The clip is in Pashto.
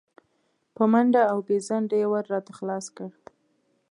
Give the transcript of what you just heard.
په منډه او بې ځنډه یې ور راته خلاص کړ.